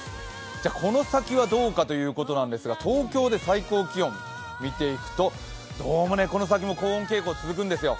じゃこの先はどうかということなんですが東京で最高気温見ていくと、どうもこの先も高温傾向が続くんですよ。